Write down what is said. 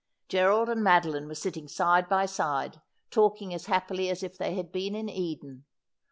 Gerald and Madoline were sitting side by side, talking as happily as if they had been in Eden.